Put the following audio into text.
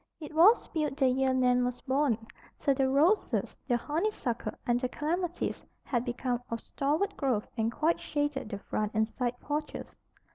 It was built the year Nan was born, so the roses, the honeysuckle, and the clematis had become of stalwart growth and quite shaded the front and side porches.